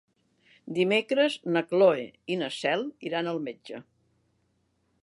Dimecres na Cloè i na Cel iran al metge.